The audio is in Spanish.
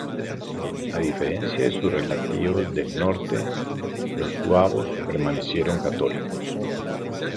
A diferencia de sus relativos del norte, los suabos permanecieron católicos.